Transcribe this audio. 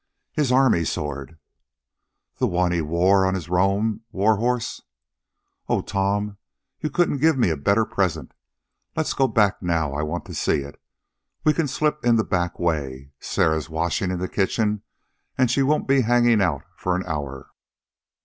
"His army sword." "The one he wore on his roan war horse! Oh, Tom, you couldn't give me a better present. Let's go back now. I want to see it. We can slip in the back way. Sarah's washing in the kitchen, and she won't begin hanging out for an hour."